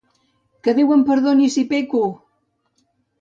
Que Déu em perdoni si peco!